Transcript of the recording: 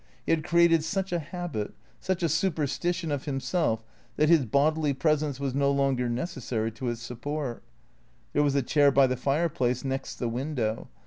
He had created such a habit, such a superstition of himself that his bodily presence was no longer necessary to its support. There was a chair by the fireplace, next the window.